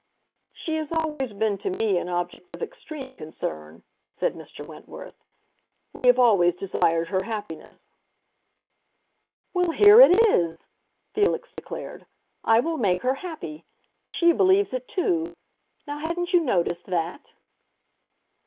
"She has always been to me an object of extreme concern," said Mr. Wentworth. "We have always desired her happiness." "Well, here it is!" Felix declared. "I will make her happy. She believes it, too. Now hadn't you noticed that?"